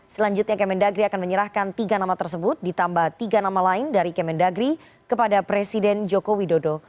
selanjutnya kemendagri akan menyerahkan tiga nama tersebut ditambah tiga nama lain dari kemendagri kepada presiden joko widodo